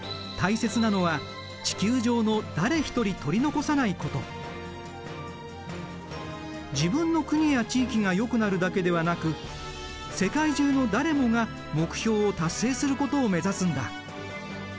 大切なのは自分の国や地域がよくなるだけではなく世界中の誰もが目標を達成することを目指すんだ。